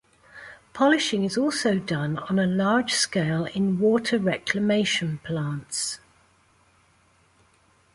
Polishing is also done on a large scale in water reclamation plants.